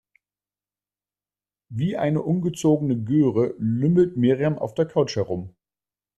Wie eine ungezogene Göre lümmelt Miriam auf der Couch herum.